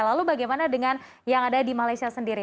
lalu bagaimana dengan yang ada di malaysia sendiri